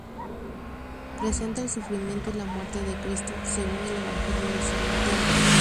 Presenta el sufrimiento y la muerte de Cristo según el evangelio de San Mateo.